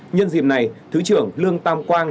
nhân dịp này thứ trưởng lương tam quang